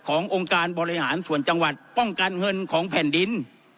องค์การบริหารส่วนจังหวัดป้องกันเงินของแผ่นดิน